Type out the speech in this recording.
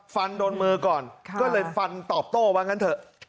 ฟันโดนมือก่อนก็เลยฟันตอบโต้ว่างั้นเถอะ